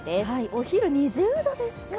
お昼、２０度ですか。